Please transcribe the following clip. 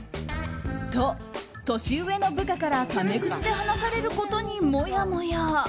と、年上の部下からタメ口で話されることにもやもや。